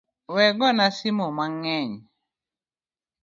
We gona simu mang’eny